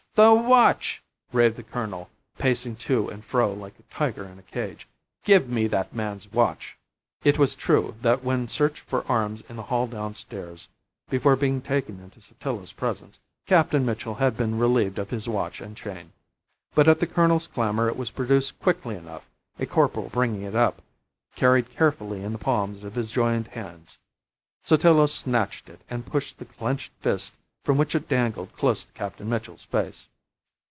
the watch!" raved the colonel, pacing to and fro like a tiger in a cage. "Give me that man's watch." It was true, that when searched for arms in the hall downstairs, before being taken into Sotillo's presence, Captain Mitchell had been relieved of his watch and chain; but at the colonel's clamour it was produced quickly enough, a corporal bringing it up, carried carefully in the palms of his joined hands. Sotillo snatched it, and pushed the clenched fist from which it dangled close to Captain Mitchell's face.